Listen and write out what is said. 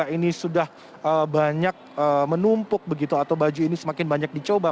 ini sudah banyak menumpuk begitu atau baju ini semakin banyak dicoba